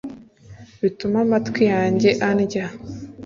'bitume amatwi yanjye andya